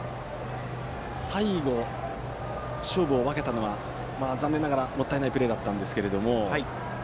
最後、勝負を分けたのは残念ながら、もったいないプレーだったんですけれども。